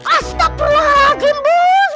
astagfirullah hakim bos